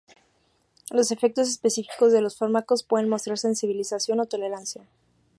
Los efectos específicos de los fármacos pueden mostrar sensibilización o tolerancia.